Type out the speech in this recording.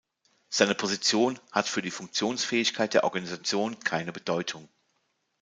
Seine Position hat für die Funktionsfähigkeit der Organisation keine Bedeutung.